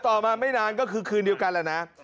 ต่อมาไม่นานก็คือคืนเดียวกันแล้วนะ